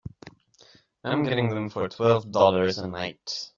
I'm getting them for twelve dollars a night.